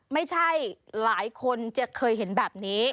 ไม่ใช่หลายคนจะเคยเห็นแบบนี้